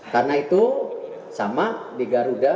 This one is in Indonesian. karena itu sama di garuda